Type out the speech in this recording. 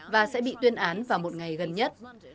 và sẽ bị tuyên án vào một ngày gần nhất